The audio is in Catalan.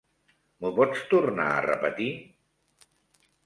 M'ho pots tornar a repetir?